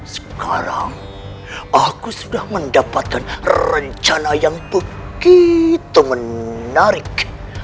sekarang aku sudah mendapatkan rencana yang begitu menarik